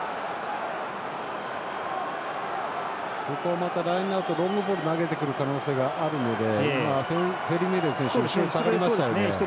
ここはラインアウトロングボール投げてくる可能性あるのでフェルミューレン選手後ろに下がりましたね。